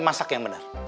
masak yang bener